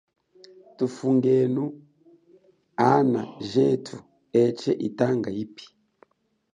Thufumbenu ana jethu etshee yitanga yipi.